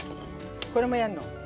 これもやんの。